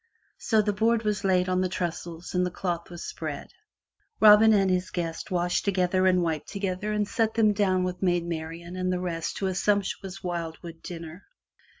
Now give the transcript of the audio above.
So the board was laid on the trestles and the cloth was spread. Robin and his guest washed together and wiped together and sat them down with Maid Marian and the rest to a sumptuous wildwood dinner.